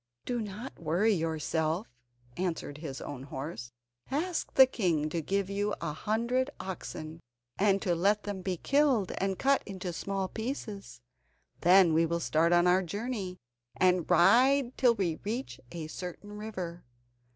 "Do not worry yourself," answered his own horse. "Ask the king to give you a hundred oxen, and to let them be killed and cut into small pieces. Then we will start on our journey, and ride till we reach a certain river.